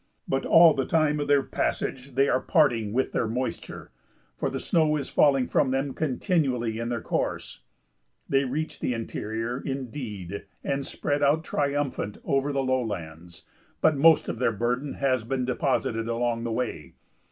But all the time of their passage they are parting with their moisture, for the snow is falling from them continually in their course. They reach the interior, indeed, and spread out triumphant over the lowlands, but most of their burden has been deposited along the way.